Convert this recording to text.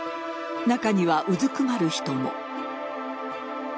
中にはうずくまる人も。